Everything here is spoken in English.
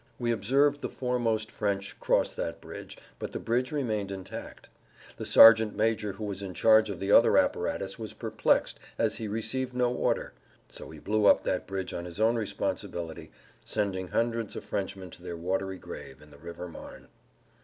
We observed the foremost French cross that bridge, but the bridge remained intact. The sergeant major who was in charge of the other apparatus was perplexed as he received no order; so he blew up that bridge on his own responsibility sending hundreds of Frenchmen to their watery grave in the river Marne.